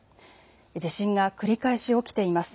地震が繰り返し起きています。